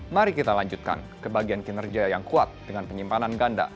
mari kita lanjutkan ke bagian kinerja yang kuat dengan penyimpanan ganda